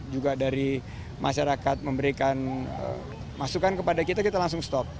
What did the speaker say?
juga dari masyarakat memberikan masukan kepada kita kita langsung stop